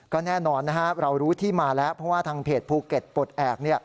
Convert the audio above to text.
ก็แน่นอนนะครับเรารู้ที่มาแล้วเพราะว่าทางเพจภูเก็ตปลดแอบ